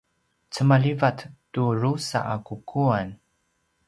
cemalivat tu drusa a kukuan